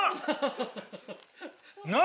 何。